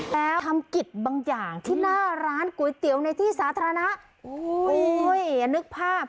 แล้วทำกิจบางอย่างที่หน้าร้านก๋วยเตี๋ยวในที่สาธารณะโอ้ยอย่านึกภาพ